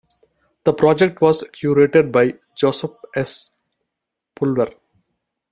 The project was curated by Joseph S. Pulver.